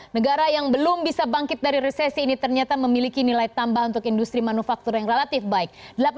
negara yang belum bisa bangkit dari resesi ini ternyata memiliki nilai tambah untuk industri manufaktur yang relatif baik